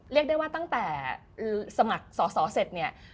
เรียกได้ว่าตั้งแต่สมัครสอสอเสร็จเนี่ย